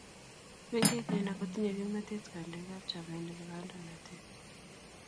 mengechen ako tinyei kimnatet kandoikab chamait ne mabo kandoinatet